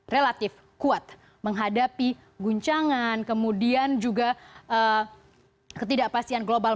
relatif kuat menghadapi guncangan kemudian juga ketidakpastian global